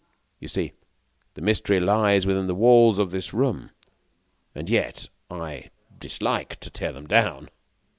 You see, the mystery lies within the walls of this room, and yet I dislike to tear them down."